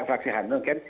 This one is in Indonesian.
fraksi hanura kan